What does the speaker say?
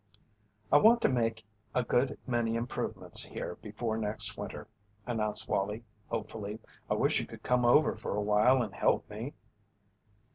"I want to make a good many improvements here before next winter," announced Wallie, hopefully. "I wish you could come over for awhile and help me."